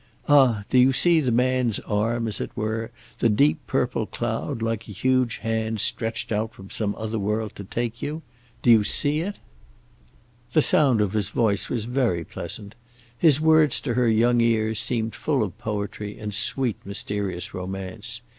Ah! do you see the man's arm, as it were; the deep purple cloud, like a huge hand stretched out from some other world to take you? Do you see it?" The sound of his voice was very pleasant. His words to her young ears seemed full of poetry and sweet mysterious romance.